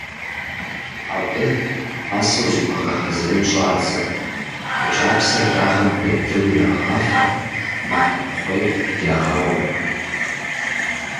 Абы пасэу зыхуагъэхьэзырын щӀадзэ: фэ кӀапсэр дагъэм быдэу ирагъафэ, матэ кхъуейр ягъэгъу.